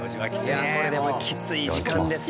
いやこれでもきつい時間ですよ。